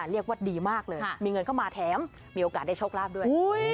เรียกว่าดีมากเลยมีเงินเข้ามาแถมมีโอกาสได้โชคลาภด้วย